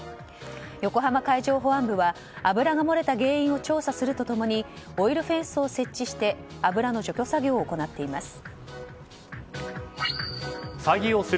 横浜海上保安部は油が漏れた原因を調査すると共にオイルフェンスを設置して油の除去作業を行っています。